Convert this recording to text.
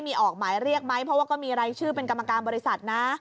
มีออกหมายเรียกไหมเพราะว่าก็มีรายชื่อเป็นกรรมการบริษัทนะ